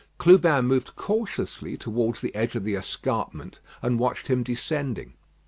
Clubin moved cautiously towards the edge of the escarpment, and watched him descending.